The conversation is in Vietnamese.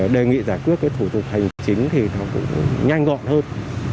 đề nghị giải quyết cái thủ tục hành chính thì nó cũng nhanh gọn hơn